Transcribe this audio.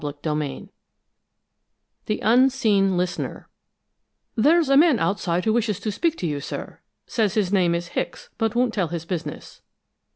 CHAPTER XIX THE UNSEEN LISTENER "There's a man outside who wishes to speak to you, sir. Says his name is Hicks, but won't tell his business."